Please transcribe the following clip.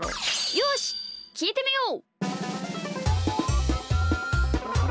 よしきいてみよう！